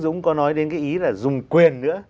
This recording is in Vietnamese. dũng có nói đến cái ý là dùng quyền nữa